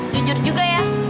jujur juga ya